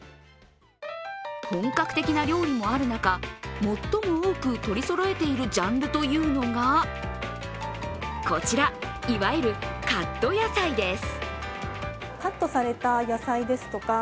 本格的な料理もある中、最も多く取りそろえているジャンルというのがこちら、いわゆるカット野菜です。